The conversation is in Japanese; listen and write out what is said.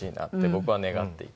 僕は願っていて。